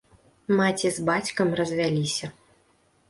Маці з бацькам развяліся.